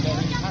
jadi jadi jadi